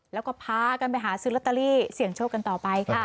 แล้วก็พากันไปหาซื้อลอตเตอรี่เสี่ยงโชคกันต่อไปค่ะ